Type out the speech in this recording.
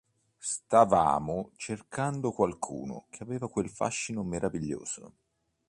Stavamo cercando qualcuno che aveva quel fascino meraviglioso.